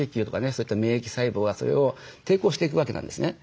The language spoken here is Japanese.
そういった免疫細胞がそれを抵抗していくわけなんですね。